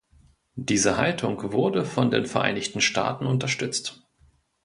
Diese Haltung wurde von den Vereinigten Staaten unterstützt.